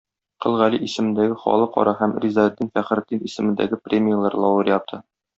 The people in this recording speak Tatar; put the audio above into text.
Кол Гали исемендәге халыкара һәм Ризаэддин Фәхретдин исемендәге премияләр лауреаты.